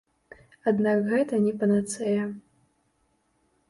Аднак гэта не панацэя.